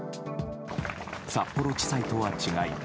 札幌地裁とは違い